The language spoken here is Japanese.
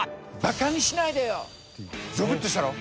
ゾクッとしたろ？